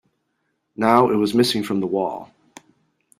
Now it was missing from the wall.